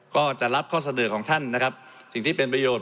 ก็จะรับข้อเสนอของท่านนะครับสิ่งที่เป็นประโยชน